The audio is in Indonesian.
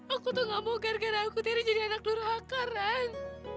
aku tuh gak mau gara gara aku terry jadi anak lurhaka ran